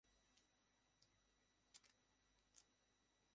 এবার বুঝলে তো, আমি পড়ানো-টড়ানোতে নাই।